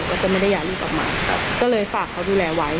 ก็จะไม่ได้ย้ายลูกกลับมาก็เลยฝากเขาดูแลไว้